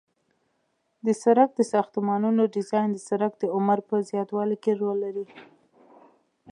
د سرک د ساختمانونو ډیزاین د سرک د عمر په زیاتوالي کې رول لري